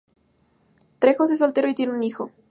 Trejos es soltero y tiene un hijo.